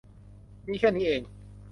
มีแค่นี้เอง